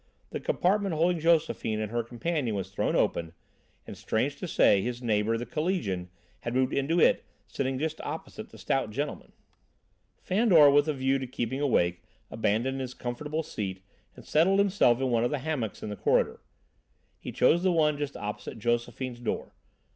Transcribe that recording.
The compartment holding Josephine and her companion was thrown open, and, strange to say, his neighbour, the collegian, had moved into it, sitting just opposite the stout gentleman. Fandor, with a view to keeping awake, abandoned his comfortable seat and settled himself in one of the hammocks in the corridor. He chose the one just opposite Josephine's door.